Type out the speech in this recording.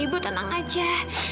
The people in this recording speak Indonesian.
ibu tenang aja